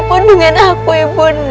apakah dengan perdamaian anda